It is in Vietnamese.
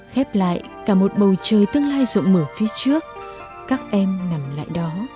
khép lại cả một bầu trời tương lai rộng mở phía trước các em nằm lại đó